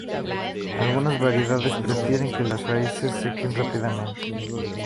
Algunas variedades prefieren que las raíces sequen rápidamente.